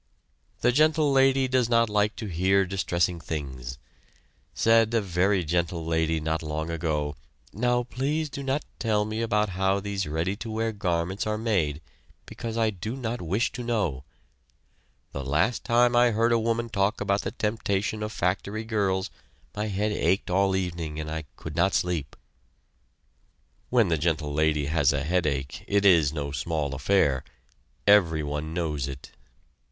The Gentle Lady does not like to hear distressing things. Said a very gentle lady not long ago: "Now, please do not tell me about how these ready to wear garments are made, because I do not wish to know. The last time I heard a woman talk about the temptation of factory girls, my head ached all evening and I could not sleep." (When the Gentle Lady has a headache it is no small affair everyone knows it!)